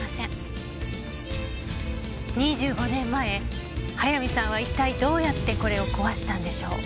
２５年前速水さんは一体どうやってこれを壊したんでしょう？